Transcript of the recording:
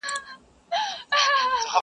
o زه په تمه، ته بېغمه!